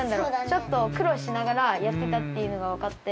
ちょっとくろうしながらやってたっていうのがわかって。